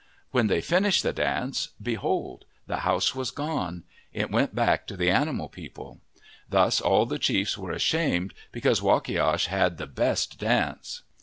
When they finished the dance, behold! the house was gone. It went back to the animal people. Thus all the chiefs were ashamed because Wakiash had the best dance.